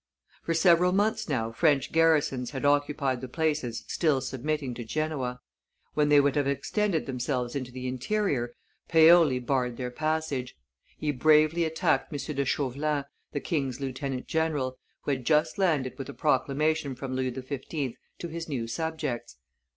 For several months now French garrisons had occupied the places still submitting to Genoa; when they would have extended themselves into the interior, Paoli barred their passage; he bravely attacked M. de Chauvelin, the king's lieutenant general, who had just landed with a proclamation from Louis XV. to his new subjects.